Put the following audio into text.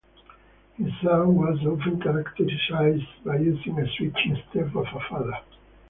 His sound was often characterized by using a switch instead of a fader.